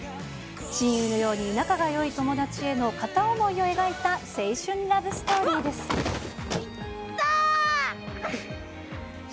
親友のように仲がよい友達への片思いを描いた青春ラブストーリーいったー！